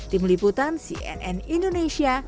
tim liputan cnn indonesia